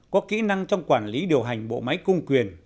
có kỹ năng trong quản lý điều hành bộ máy công quyền